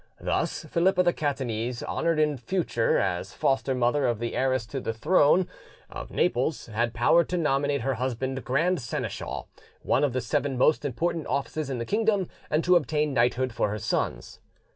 Thus Philippa the Catanese, honoured in future as foster mother of the heiress to the throne of Naples, had power to nominate her husband grand seneschal, one of the seven most important offices in the kingdom, and to obtain knighthood for her sons.